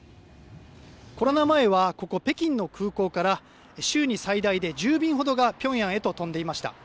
コロナ前はここ、北京の空港から週に最大で１０便ほどが平壌へと飛んでいました。